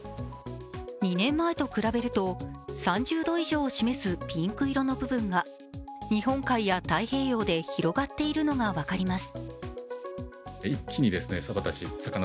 ２年前と比べると３０度以上を示すピンク色の部分が日本海や太平洋で広がっているのが分かります